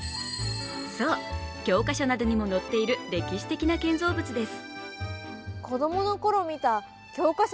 そう、教科書などにも載っている歴史的な建造物です。